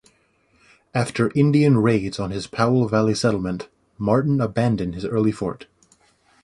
After Indian raids on his Powell Valley settlement, Martin abandoned his early fort.